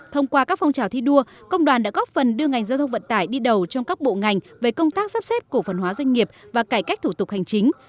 thông qua các phong trào thi đua công đoàn đã góp phần đưa ngành giao thông vận tải đi đầu trong các bộ ngành về công tác sắp xếp cổ phần hóa doanh nghiệp và cải cách thủ tục hành chính